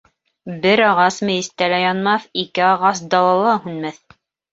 Бер ағас мейестә лә янмаҫ, ике ағас далала ла һүнмәҫ.